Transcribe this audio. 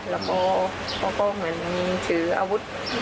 แล้วก็เขาก็เหมือนถืออาวุธ